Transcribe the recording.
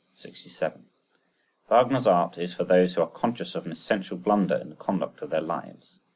67. Wagner's art is for those who are conscious of an essential blunder in the conduct of their lives.